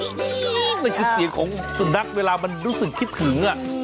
นั่นคือเสียงของสุนัขเวลามันรู้สึกคิดถึง